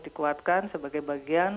dikuatkan sebagai bagian